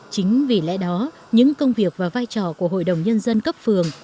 chính vì lẽ đó những công việc và vai trò của hội đồng nhân dân cấp phường